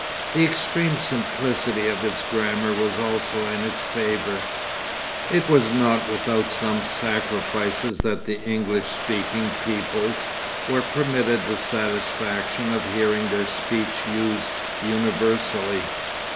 The extreme simplicity of its grammar was also in its favour. It was not without some sacrifices that the English speaking peoples were permitted the satisfaction of hearing their speech used universally.